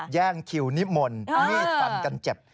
แย่งคิวนิมนต์มีดฟันกันเจ็บ